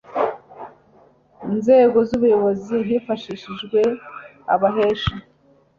nzego z ubuyobozi hifashishijwe abahesha